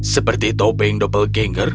seperti topeng doppelganger